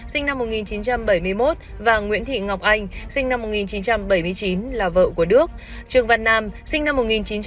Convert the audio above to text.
sinh năm một nghìn chín trăm bảy mươi một và nguyễn thị ngọc anh sinh năm một nghìn chín trăm bảy mươi chín là vợ của đức trương văn nam sinh năm một nghìn chín trăm bảy mươi